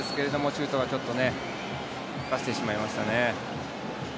シュート、ちょっと浮かせてしまいましたね。